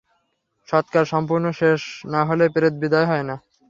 সৎকার সম্পূর্ণ শেষ না হলে প্রেত বিদায় হয় না।